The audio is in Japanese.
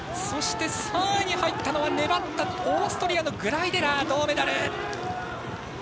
そして、３位に入ったのは粘ったオーストリアのグライデラー銅メダル。